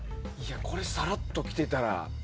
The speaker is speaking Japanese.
これさらっと着てたら。